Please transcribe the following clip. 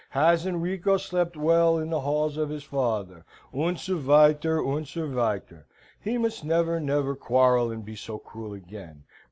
Has Enrico slept well in the halls of his fathers? und so weiter, und so weiter. He must never never quaril and be so cruel again.